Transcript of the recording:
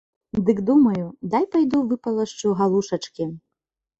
Дык думаю, дай пайду выпалашчу галушачкі.